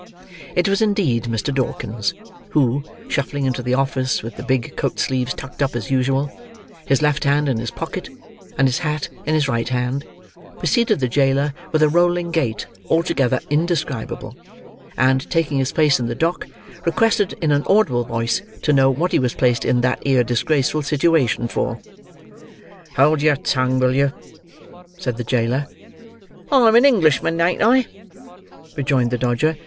It was indeed Mr. Dawkins, who, shuffling into the office with the big coat sleeves tucked up as usual, his left hand in his pocket, and his hat in his right hand, preceded the jailer, with a rolling gait altogether indescribable, and, taking his place in the dock, requested in an audible voice to know what he was placed in that 'ere disgraceful sitivation for. "Hold your tongue, will you?" said the jailer. "I'm an Englishman, ain't I?" rejoined the Dodger.